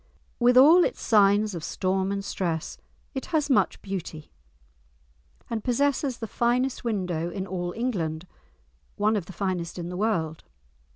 With all its signs of storm and stress it has much beauty, and possesses the finest window in all England, one of the finest in the world.